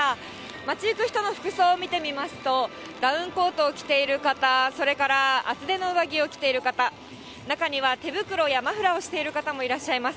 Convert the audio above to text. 街行く人の服装を見てみますと、ダウンコートを着ている方、それから厚手の上着を着ている方、中には手袋やマフラーをしている方もいらっしゃいます。